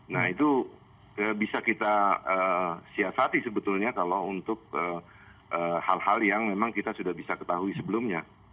nah itu bisa kita siasati sebetulnya kalau untuk hal hal yang memang kita sudah bisa ketahui sebelumnya